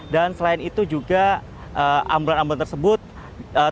dan selain itu juga ambulans ambulans tersebut terparkir dalam kondisi